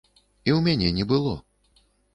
І ў мяне не было.